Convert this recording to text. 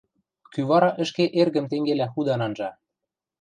Кӱ вара ӹшке эргӹм тенгелӓ худан анжа?